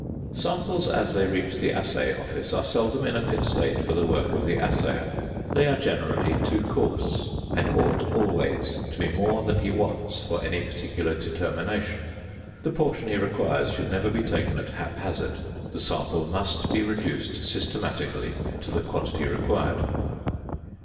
Samples as they reach the assay office are seldom in a fit state for the work of the assayer; they are generally too coarse, and ought always to be more than he wants for any particular determination. The portion he requires should never be taken at hap hazard; the sample must be reduced systematically to the quantity required.